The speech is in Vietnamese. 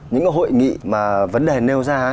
những cái hội nghị mà vấn đề nêu ra